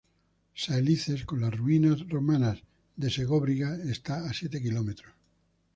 Saelices, con las ruinas romanas de Segóbriga, está a siete kilómetros.